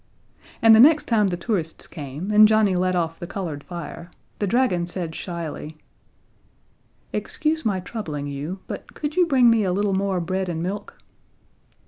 And the next time the tourists came, and Johnnie let off the colored fire, the dragon said shyly: "Excuse my troubling you, but could you bring me a little more bread and milk?"